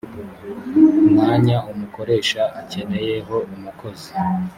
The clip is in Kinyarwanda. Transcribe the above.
mwanya umukoresha akeneyeho umukozi